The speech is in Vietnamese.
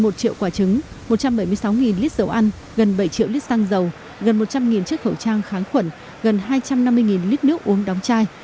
một triệu quả trứng một trăm bảy mươi sáu lít dầu ăn gần bảy triệu lít xăng dầu gần một trăm linh chiếc khẩu trang kháng khuẩn gần hai trăm năm mươi lít nước uống đóng chai